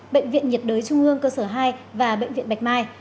bệnh viện nhiệt đới trung ương cơ sở hai và bệnh viện bạch mai